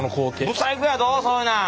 不細工やぞそういうなん。